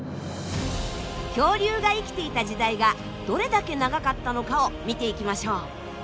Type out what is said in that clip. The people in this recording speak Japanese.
恐竜が生きていた時代がどれだけ長かったのかを見ていきましょう。